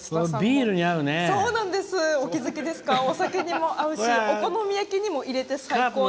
ビールにも合うしお好み焼きにも入れて最高なんです。